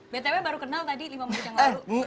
btw baru kenal tadi lima mulut yang lalu